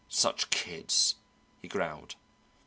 "Such kids!" he growled.